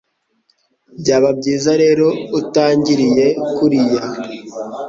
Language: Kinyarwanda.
Byaba byiza rero utangiriye kuriya